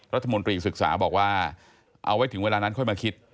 รัฐมนตรีศึกษาบอกว่าเอาไว้ถึงเวลานั้นค่อยมาคิด